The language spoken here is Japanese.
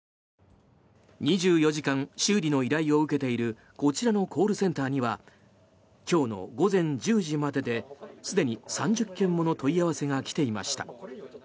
２４時間修理の依頼を受けているこちらのコールセンターには今日の午前１０時までですでに３０件もの問い合わせが来ていました。